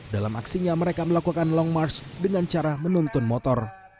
dalam aksinya mereka melakukan long march dengan cara menuntun motor